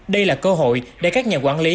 đây là cơ hội để các nhà quản lý